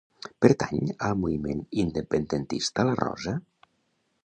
Pertany al moviment independentista la Rosa?